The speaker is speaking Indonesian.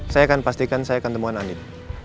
saya akan pastikan saya akan temukan andin